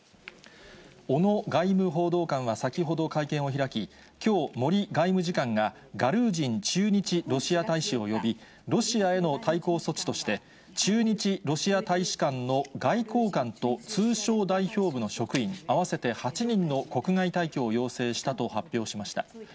小野外務報道官は先ほど会見を開き、きょう、森外務次官が、ガルージン駐日ロシア大使を呼び、ロシアへの対抗措置として、駐日ロシア大使館の外交官と通商代表部の職員合わせて８人の国外退去を要請したと発表しました。